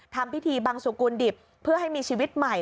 ทำพิธีบังสุกุลดิบเพื่อให้มีชีวิตใหม่